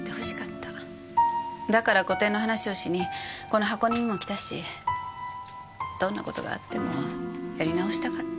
だから個展の話をしにこの箱根にも来たしどんな事があってもやり直したかった。